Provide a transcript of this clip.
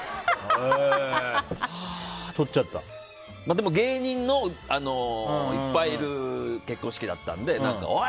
でも、芸人のいっぱいいる結婚式だったのでおい！